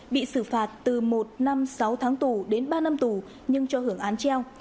bị xử phạt từ một năm sáu tháng tù đến ba năm tù nhưng cho hưởng án treo